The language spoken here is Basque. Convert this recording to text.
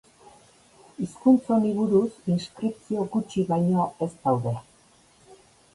Hizkuntz honi buruz inskripzio gutxi baino ez daude.